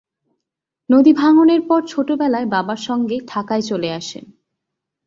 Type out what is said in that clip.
নদী ভাঙ্গনের পর ছোট বেলায় বাবার সঙ্গে ঢাকায় চলে আসেন।